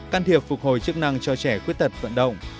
can thiệp phục hồi chức năng cho trẻ khuyết tật vận động